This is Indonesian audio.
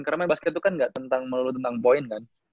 karena main basket tuh kan gak melulu tentang poin kan